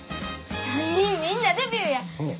３人みんなデビューや！